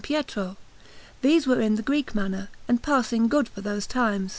Pietro; these were in the Greek manner, and passing good for those times.